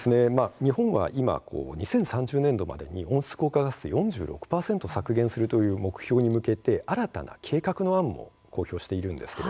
日本は２０３０年までに４６％削減するという目標に向けて新たな計画の案を公表しています。